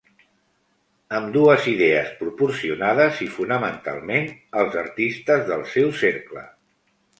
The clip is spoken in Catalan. Ambdues idees proporcionades i, fonamentalment, els artistes del seu cercle.